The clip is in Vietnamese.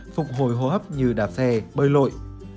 phục hồi hô hấp như đạp xe bơi lội